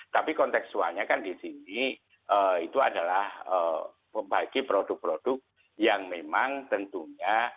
tapi konteksualnya kan di sini itu adalah membagi produk produk yang memang tentunya